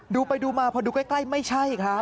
ดูไปดูมาพอดูใกล้ไม่ใช่ครับ